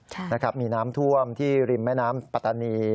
ใช่นะครับมีน้ำท่วมที่ริมแม่น้ำปัตตานี